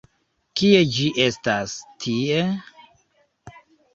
Kie ĝi estas... tie!